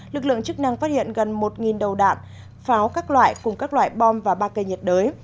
lực lượng chức năng phát hiện gần một đầu đạn pháo các loại cùng các loại bom và ba cây nhiệt đới